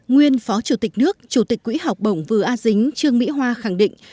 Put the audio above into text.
nguyên phó chủ tịch nước chủ tịch quỹ học bổng vừa a dính trương mỹ hoa khẳng định